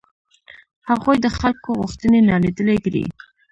هغوی د خلکو غوښتنې نالیدلې کړې.